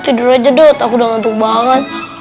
tidur aja dud aku udah ngantuk banget